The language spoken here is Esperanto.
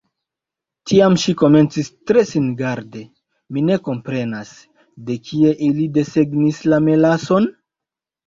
Tiam ŝi komencis tre singarde: "Mi ne komprenas. De kie ili desegnis la melason?"